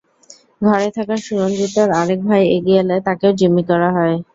ঘরে থাকা সুরঞ্জিতের আরেক ভাই এগিয়ে এলে তাঁকেও জিম্মি করা হয়।